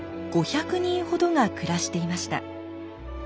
５００人ほどが暮らしていました。